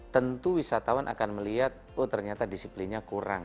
tentu wisatawan akan melihat oh ternyata disiplinnya kurang